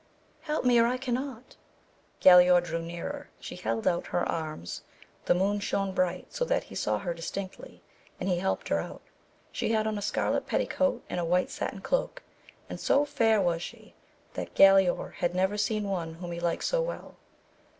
— Help me or I cannot. Galaor drew nearer, she held out her arms, the moon shone bright so that he saw her distinctly, and he helped her out. She had on a scarlet petticoat, and a white satin cloak, and so fair was she that Galaor had never seen one whom he liked so well.